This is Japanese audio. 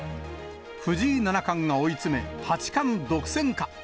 藤井七冠が追い詰め、八冠独占か。